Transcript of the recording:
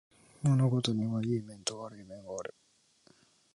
物事にはいい面と悪い面がある